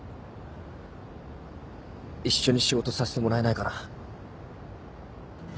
一緒に仕事させてもらえないかな。